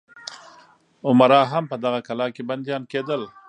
امرا هم په دغه کلا کې بندیان کېدل.